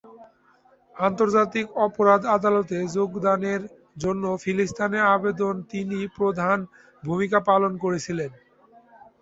আন্তর্জাতিক অপরাধ আদালতে যোগদানের জন্য ফিলিস্তিনের আবেদনে তিনি প্রধান ভূমিকা পালন করেছিলেন।